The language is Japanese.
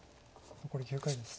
残り９回です。